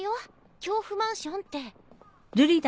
恐怖マンションって。